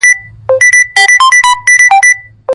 افغانستان د فاریاب په برخه کې نړیوال شهرت لري.